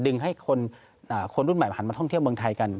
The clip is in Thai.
ดึงให้คนรุ่นใหม่มาหันมาท่องเที่ยวเมืองไทยกัน